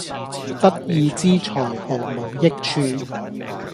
不義之財毫無益處